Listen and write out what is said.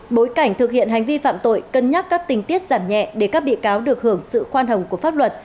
bối cảnh thực hiện hành vi phạm tội cân nhắc các tình tiết giảm nhẹ để các bị cáo được hưởng sự khoan hồng của pháp luật